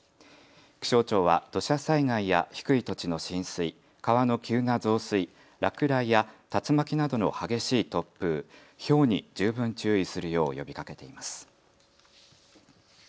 気象庁は土砂災害や低い土地の浸水、川の急な増水、落雷や竜巻などの激しい突風、ひょうに十分注意するよう呼びかけています。